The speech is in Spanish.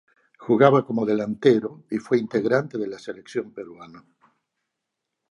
Jugaba como delantero y fue integrante de la selección peruana.